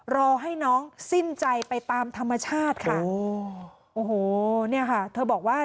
รอให้น้องสิ้นใจไปตามธรรมชาติค่ะโอ้โหเนี่ยค่ะเธอบอกว่า